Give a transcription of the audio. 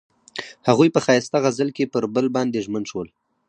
هغوی په ښایسته غزل کې پر بل باندې ژمن شول.